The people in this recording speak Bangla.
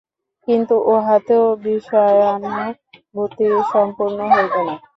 কিন্তু উহাতেও বিষয়ানুভূতি সম্পূর্ণ হইবে না।